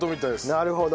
なるほど。